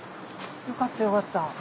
よかったよかった。